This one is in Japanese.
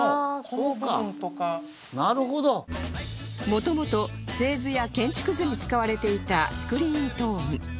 元々製図や建築図に使われていたスクリーントーン